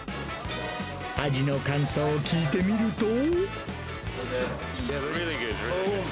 味の感想を聞いてみると。